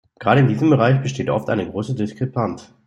Gerade in diesem Bereich besteht oft eine große Diskrepanz.